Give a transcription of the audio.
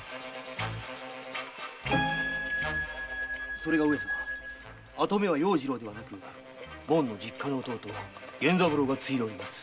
それが跡目は要次郎ではなくもんの実家の弟・源三郎が継いでおります。